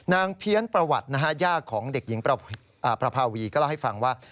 เพี้ยนประวัตินะฮะย่าของเด็กหญิงประภาวีก็เล่าให้ฟังว่า